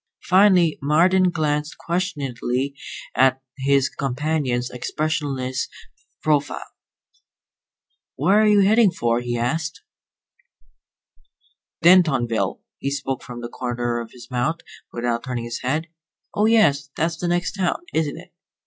Finally Marden glanced questioningly at his companion's expressionless profile. "Where are you headed for?" he asked. "Dentonville." He spoke from the corner of his mouth, without turning his head. "Oh, yes. That's the next town, isn't it?"